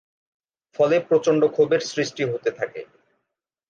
ফলে প্রচণ্ড ক্ষোভের সৃষ্টি হতে থাকে।